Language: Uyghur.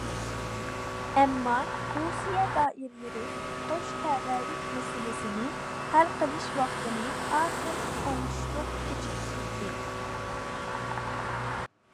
ئەمما رۇسىيە دائىرىلىرى قوش تەۋەلىك مەسىلىسىنى ھەل قىلىش ۋاقتىنى ئاخىرى ئوڭۇشلۇق كېچىكتۈردى.